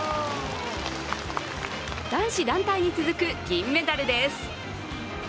男子団体に続く銀メダルです。